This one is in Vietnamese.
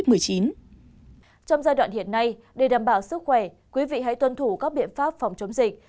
trong giai đoạn hiện nay để đảm bảo sức khỏe quý vị hãy tuân thủ các biện pháp phòng chống dịch